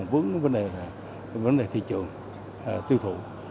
vấn đề là vấn đề thị trường tiêu thụ